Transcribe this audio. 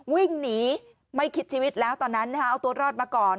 วิ่งหนีไม่คิดชีวิตแล้วตอนนั้นเอาตัวรอดมาก่อน